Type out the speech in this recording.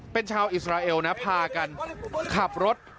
เป็นชาวอิสราเอลนะพากันขับรถ